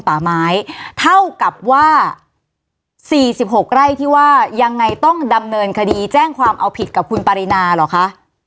สี่สิบหกไร่ที่ยังไงต้องดำเนินคดีแจ้งความเอาผิดกับคุณปาริณาเหรอค่ะ